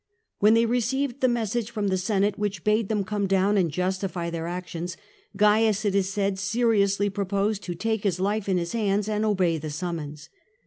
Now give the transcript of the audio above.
When they received the message from the Senate, which bade them come down and justify their actions, Caius, it is said, seriously proposed to take his life in his hands and obey the summons.